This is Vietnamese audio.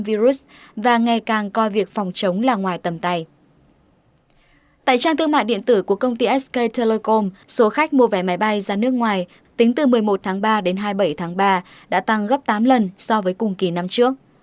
tính từ một mươi một tháng ba đến hai mươi bảy tháng ba đã tăng gấp tám lần so với cùng kỳ năm trước